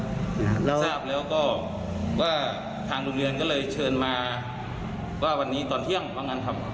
ทราบแล้วก็ว่าทางโรงเรียนก็เลยเชิญมาว่าวันนี้ตอนเที่ยงว่างั้นครับ